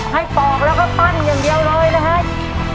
ปอกแล้วก็ปั้นอย่างเดียวเลยนะครับ